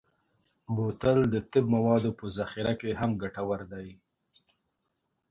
بوتل د طب موادو په ذخیره کې هم ګټور دی.